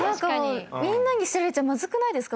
みんなに知られちゃまずくないですか？